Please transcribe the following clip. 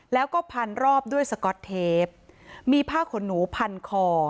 แล้วก็พันรอบด้วยสก๊อตเทปมีผ้าขนหนูพันคอ